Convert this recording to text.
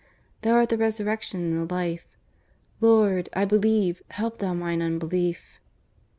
... Thou art the Resurrection and the Life. ... Lord! I believe; help Thou mine unbelief_."